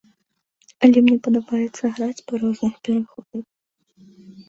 Але мне падабаецца граць па розных пераходах.